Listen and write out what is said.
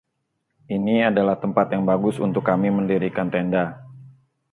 Ini adalah tempat yang bagus untuk kami mendirikan tenda.